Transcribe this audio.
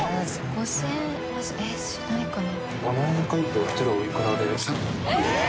５０００しないかな？